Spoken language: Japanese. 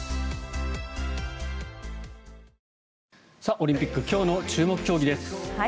オリンピック今日の注目競技です。